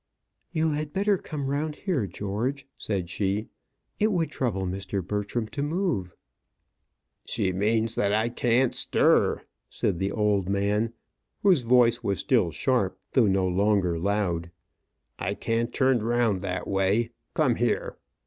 "You had better come round here, George," said she. "It would trouble Mr. Bertram to move." "She means that I can't stir," said the old man, whose voice was still sharp, though no longer loud. "I can't turn round that way. Come here."